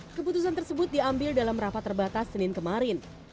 keputusan tersebut diambil dalam rapat terbatas senin kemarin